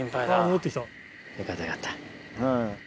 よかったよかった。